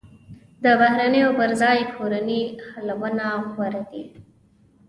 د بهرنیو پر ځای کورني حلونه غوره دي.